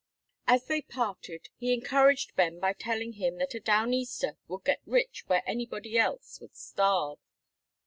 As they parted, he encouraged Ben by telling him that a Down easter would get rich where anybody else would starve.